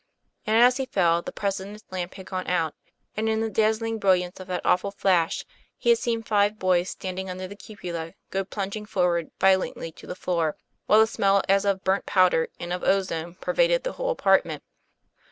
And as he fell the President's lamp had gone out, and in the dazzling brilliancy of that awful flash he had seen five boys standing under the cupola go plunging forward violently to the floor, while the smell as of burnt powder and of ozone pervaded the whole apartment.